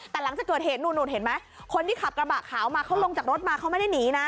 แต่หลังจากเกิดเหตุนู่นเห็นไหมคนที่ขับกระบะขาวมาเขาลงจากรถมาเขาไม่ได้หนีนะ